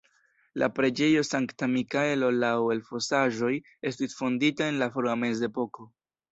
La preĝejo Sankta Mikaelo laŭ elfosaĵoj estis fondita en la frua mezepoko.